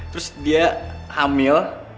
terus dia hamil